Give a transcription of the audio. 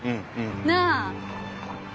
なあ。